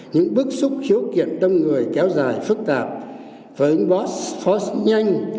những bức xúc hiếu kiện đông người kéo dài phức tạp với bóp phóng nhanh